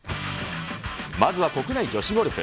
まずは国内女子ゴルフ。